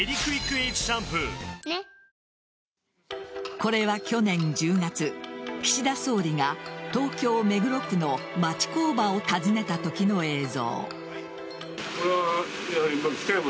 これは去年１０月岸田総理が東京・目黒区の町工場を訪ねたときの映像。